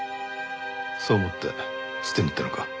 そう思って捨てに行ったのか。